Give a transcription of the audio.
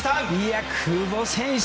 久保選手